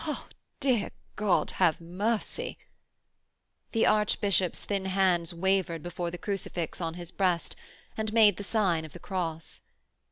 'Ah, dear God have mercy.' The Archbishop's thin hands wavered before the crucifix on his breast, and made the sign of the cross.